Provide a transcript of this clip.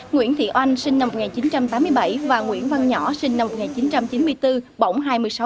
nguyễn thị oanh sinh năm một nghìn chín trăm tám mươi bảy và nguyễn văn nhỏ sinh năm một nghìn chín trăm chín mươi bốn bỏng hai mươi sáu